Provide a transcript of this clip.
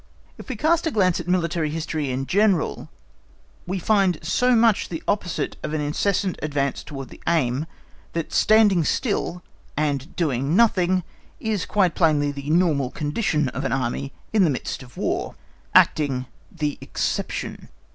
If we cast a glance at military history in general, we find so much the opposite of an incessant advance towards the aim, that standing still and doing nothing is quite plainly the normal condition of an Army in the midst of War, acting, the exception.